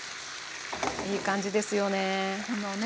いい感じですよね。